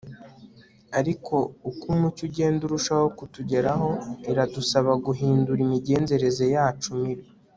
ariko uko umucyo ugenda urushaho kutugeraho, iradusaba guhindura imigenzereze yacu mibi